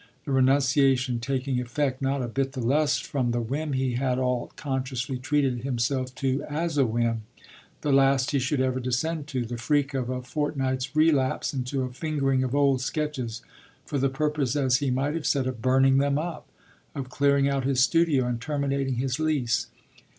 the renunciation taking effect not a bit the less from the whim he had all consciously treated himself to as a whim (the last he should ever descend to!) the freak of a fortnight's relapse into a fingering of old sketches for the purpose, as he might have said, of burning them up, of clearing out his studio and terminating his lease.